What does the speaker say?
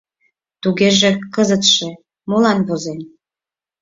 — Тугеже кызытше молан возен?